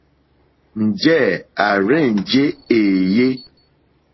Njɛ̂ à rzênjé èèyé.